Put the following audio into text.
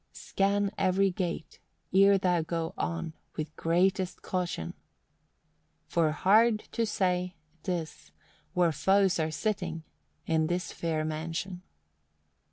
"Scan every gate Ere thou go on, With greatest caution; For hard to say 'tis Where foes are sitting In this fair mansion."